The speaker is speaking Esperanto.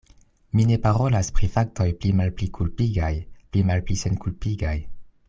Mi ne parolas pri faktoj pli malpli kulpigaj, pli malpli senkulpigaj.